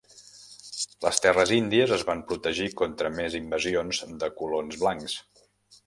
Les terres índies es van protegir contra més invasions de colons blancs.